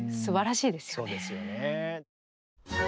そうですよね。